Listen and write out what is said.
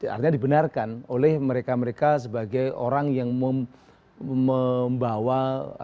artinya dibenarkan oleh mereka mereka sebagai orang yang membawa atau menjaga kuasa